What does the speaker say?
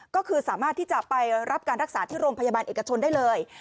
ก็คือสามารถที่จะไปรับการรักษาที่โรงพยาบาลเอกชนได้เลย